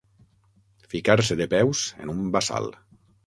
Ficar-se de peus en un bassal.